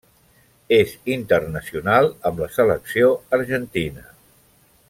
És internacional amb la selecció argentina.